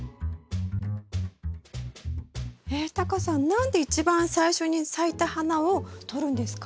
えっタカさん何で一番最初に咲いた花をとるんですか？